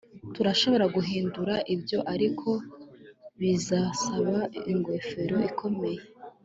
turashobora guhindura ibyo, ariko bizasaba ingofero ikomeye